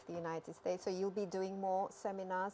jadi anda akan melakukan lebih banyak seminar